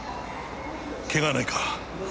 怪我はないか？